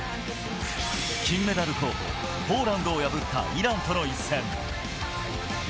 金メダル候補、ポーランドを破ったイランとの一戦。